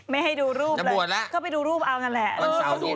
เมให้ดูรูปเลยเข้าไปดูรูปเอาอย่างนั้นแหละมันเศร้าอย่างงี้